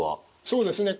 そうですね。